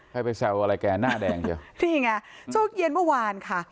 ให้ไปแซวอะไรแกหน้าแดงเดียวนี่ไงช่วงเย็นเมื่อวานค่ะ